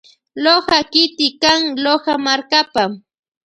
Loja kiti kan Loja markapa.